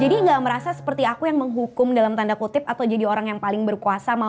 jadi gak merasa seperti aku yang menghukum dalam tanda kutip atau jadi orang yang paling berkuasa mau